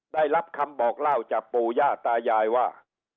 ได้รับคำบอกเล่าจากปู่ย่าตายายว่า